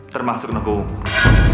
termasuk nengku umur